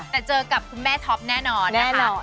แต่เจอกับคุณแม่ท็อปแน่นอนแน่นอน